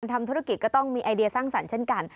ทำธุรกิจก็ต้องมีไอเดียสร้างสรรค์เช่นกัน